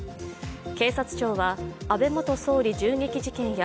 警察庁は安倍元総理銃撃事件や